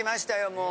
もう。